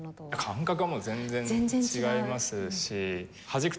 感覚はもう全然違いますしはじく